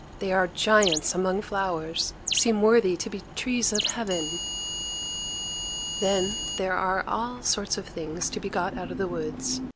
They are giants among flowers; seem worthy to be trees of heaven. Then there are all sorts of things to be got out of the woods.